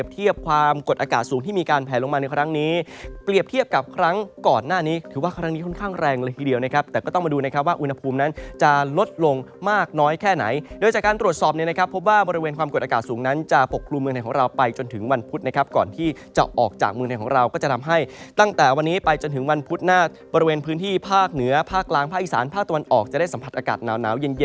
ทีเดียวนะครับแต่ก็ต้องมาดูนะครับว่าอุณหภูมินั้นจะลดลงมากน้อยแค่ไหนโดยจากการตรวจสอบในนะครับพบว่าบริเวณความกดอากาศสูงนั้นจะปกลุ่มเมืองไทยของเราไปจนถึงวันพุธนะครับก่อนที่จะออกจากเมืองไทยของเราก็จะทำให้ตั้งแต่วันนี้ไปจนถึงวันพุธหน้าบริเวณพื้นที่ภาคเหนือภาคล้างภาคอีสาน